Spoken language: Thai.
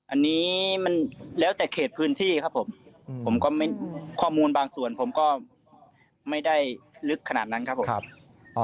อันนี้มันแล้วแต่เขตพื้นที่ครับผมผมก็ไม่ข้อมูลบางส่วนผมก็ไม่ได้ลึกขนาดนั้นครับผม